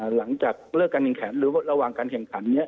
หลังจากเลิกการแข่งขันหรือระหว่างการแข่งขัน